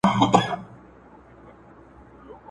ستا زامن چي د میدان پهلوانان دي،